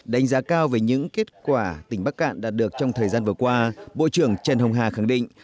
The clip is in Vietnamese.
đánh giá cao về những kết quả tỉnh bắc cạn đạt được trong thời gian vừa qua bộ trưởng trần hồng hà khẳng định